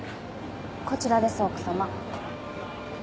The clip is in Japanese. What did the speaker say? こちらです奥さま。